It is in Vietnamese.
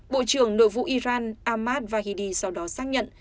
bộ trưởng nội vụ iran ahmad vahidi sau đó xác nhận